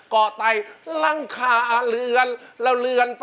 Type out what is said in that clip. เกาะไตลังขาเหลือน